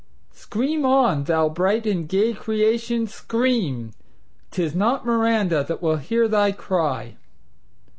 Scream on, thou bright and gay creation, scream! 'Tis not Miranda that will hear thy cry!